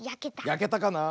やけたかな。